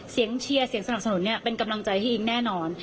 เชียร์เสียงสนับสนุนเนี่ยเป็นกำลังใจให้อิ๊งแน่นอน